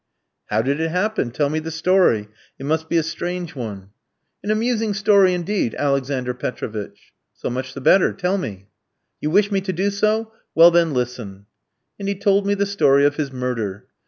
"How did it happen? Tell me the story. It must be a strange one." "An amusing story indeed, Alexander Petrovitch." "So much the better. Tell me." "You wish me to do so? Well, then, listen." And he told me the story of his murder.